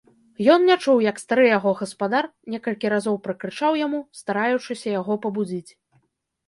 Ён не чуў, як стары яго гаспадар некалькі разоў пракрычаў яму, стараючыся яго пабудзіць.